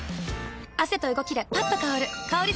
汗と動きでパッと香る香り